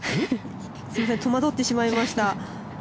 すみません戸惑ってしまいました。